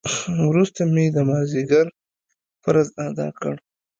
وروسته مې د مازديګر فرض ادا کړ.